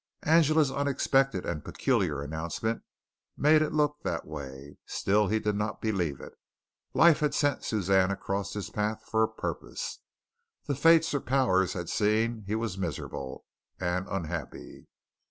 Angela's unexpected and peculiar announcement made it look that way. Still he did not believe it. Life had sent Suzanne across his path for a purpose. The fates or powers had seen he was miserable and unhappy.